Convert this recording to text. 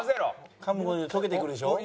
噛むごとに溶けてくるでしょ？